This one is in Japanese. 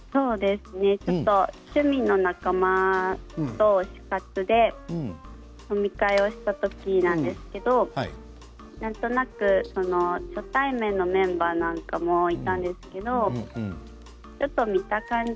趣味の仲間と推し活で飲み会をした時なんですけどなんとなく初対面のメンバーなんかもいたんですけどちょっと見た感じ